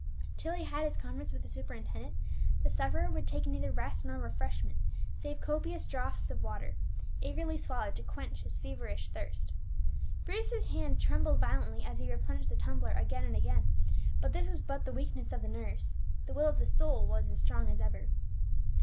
Till he had had his conference with the superintendent, the sufferer would take neither rest nor refreshment, save copious draughts of water, eagerly swallowed to quench his feverish thirst. Bruce's hand trembled violently as he replenished the tumbler again and again; but this was but the weakness of the nerves, the will of the soul was as strong as ever.